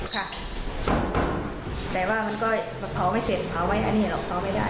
ค่ะแต่ว่ามันก็เผาไม่เสร็จเผาไว้อันนี้หรอกเผาไม่ได้